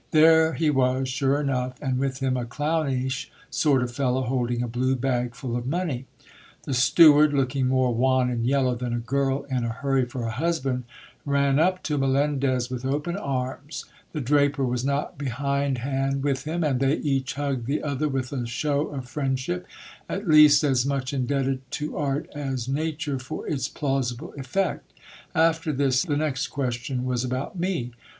There he wf s, sure enough, and with him a clownish sort of fellow holding a blue bag, full of money. The steward, looking more wan and yellow than a girl in a hurry for a husband, ran up to Melendez with open arms ; the draper was not behindhand with him, and they each hugged the other with a shew of friend ship, at least as much indebted to art as nature for its plausible effect After thii, the next question was about me.